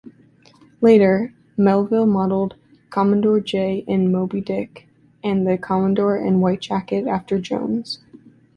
Later, Melville modeled "Commodore J-" in "Moby-Dick", and the commodore in "White-Jacket" after Jones.